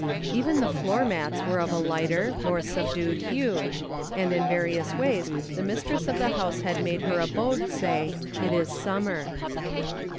Even the floor mats were of a lighter, more subdued hue, and in various ways the mistress of the house had made her abode say, " It is summer."